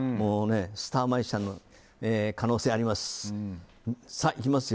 スターマジシャンの可能性があります。